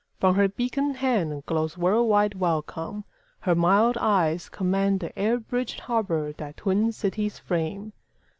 From her beacon handGlows world wide welcome; her mild eyes commandThe air bridged harbour that twin cities frame.